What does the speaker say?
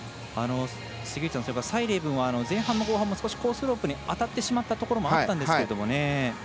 蔡麗ぶんは前半も後半もコースロープに当たってしまったところもあったんですけどね。